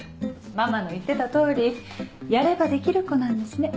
ママの言ってた通りやればできる子なんですね。